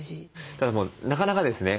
ただなかなかですね